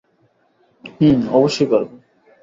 হু, অবশ্যই পারবে।